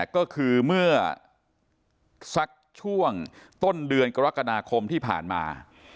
ก็คือเมื่อสักช่วงต้นเดือนกรกฎาคมที่ผ่านมา